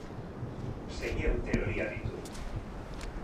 Seiehun teoria ditu.